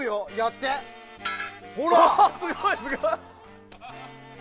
すごい、すごい！